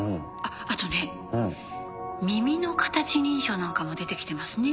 あとね耳の形認証なんかも出て来てますね。